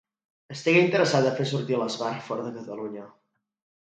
Estigué interessat a fer sortir l'Esbart fora de Catalunya.